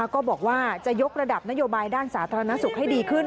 ก็บอกว่าจะยกระดับนโยบายด้านสาธารณสุขให้ดีขึ้น